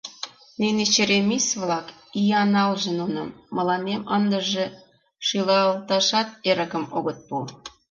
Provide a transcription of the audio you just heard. — Нине черемис-влак, ия налже нуным, мыланем ындыже шӱлалташат эрыкым огыт пу.